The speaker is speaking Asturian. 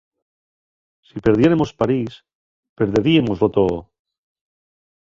Si perdiéremos París, perderíemoslo too.